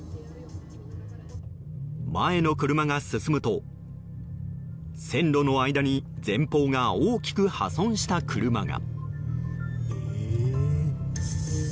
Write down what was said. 前の車が進むと、線路の間に前方が大きく破損した車が。